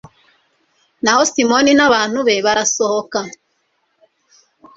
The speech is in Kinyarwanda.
naho simoni n'abantu be barasohoka